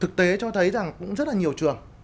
thực tế cho thấy rằng cũng rất là nhiều trường